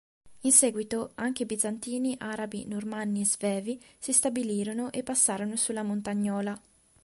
In seguito anche Bizantini, Arabi, Normanni e Svevi si stabilirono e passarono sulla Montagnola.